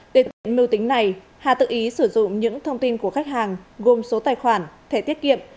điện tiện mưu tính này hà tự ý sử dụng những thông tin của khách hàng gồm số tài khoản thẻ tiết kiệm